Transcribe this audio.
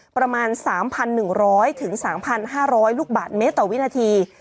ประมาณสามพันหนึ่งร้อยถึงสามพันห้าร้อยลูกบาทเมตรต่อวินาที